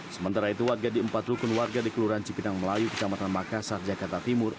sementara itu warga di empat rukun warga di kelurahan cipinang melayu kecamatan makassar jakarta timur